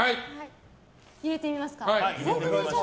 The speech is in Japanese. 入れてみますか。